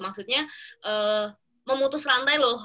maksudnya memutus rantai loh